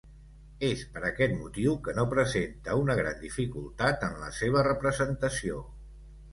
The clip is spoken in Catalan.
És per aquest motiu que no presenta una gran dificultat en la seva representació.